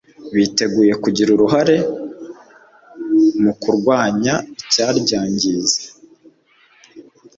biteguye kugira uruhare mu kurwanya icyaryangiriza.